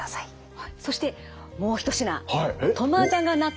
そしてもう一品